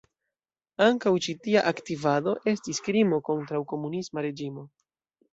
Ankaŭ ĉi tia aktivado estis krimo kontraŭ komunisma reĝimo.